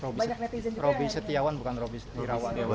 robby setiawan bukan robby irawan